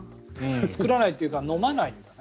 作らないというか飲まないかな。